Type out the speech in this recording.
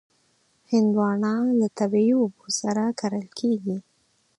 هندوانه له طبعي اوبو سره کرل کېږي.